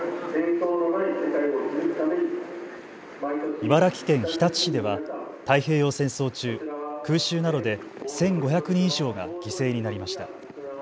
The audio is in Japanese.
茨城県日立市では太平洋戦争中、空襲などで１５００人以上が犠牲になりました。